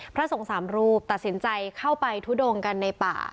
พระสงฆ์สามรูปตัดสินใจเข้าไปทุดงกันในป่า